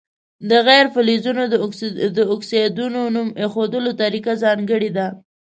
د غیر فلزونو د اکسایدونو نوم ایښودلو طریقه ځانګړې ده.